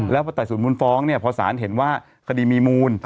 แล้วพอไต่สวนมูลฟ้องเนี่ยพอสารเห็นว่าคดีมีมูล